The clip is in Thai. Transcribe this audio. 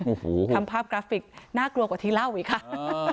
โอ้โหทำภาพกราฟิกน่ากลัวกว่าที่เล่าอีกค่ะ